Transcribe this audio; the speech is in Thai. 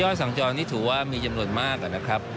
สัญจรนี่ถือว่ามีจำนวนมากนะครับ